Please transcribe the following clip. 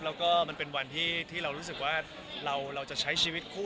แล้วก็มันเป็นวันที่เรารู้สึกว่าเราจะใช้ชีวิตคู่